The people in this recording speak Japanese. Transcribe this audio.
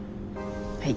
はい。